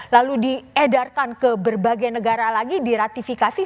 lalu diedarkan ke berbagai negara lagi diratifikasi